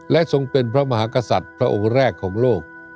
และทรงเป็นพระมหากษัตริย์พระองค์แรกของโลก